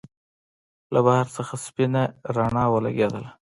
له بهر څخه سپينه رڼا ولګېدله.